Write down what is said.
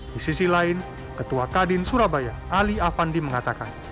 di sisi lain ketua kadin surabaya ali afandi mengatakan